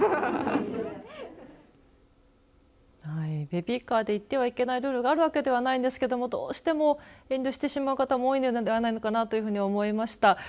ベビーカーで行ってはいけないルールがあるわけではないんですけれどどうしても遠慮してしまう方も多いのではないかなと思いました。